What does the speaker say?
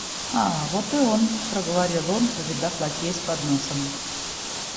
А, вот и он, — проговорил он, увидав лакея с подносом.